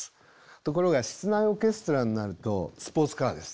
ところが室内オーケストラになるとスポーツカーです。